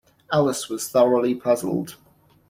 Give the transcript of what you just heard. Alice was thoroughly puzzled.